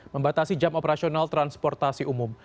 membatasi jam operasional transportasi umum